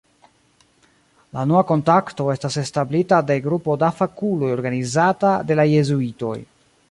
La unua kontakto estas establita de grupo da fakuloj organizata de la Jezuitoj.